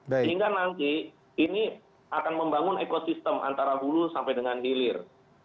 sehingga nanti ini akan membangun ekosistem antara hulu sampai dengan hilir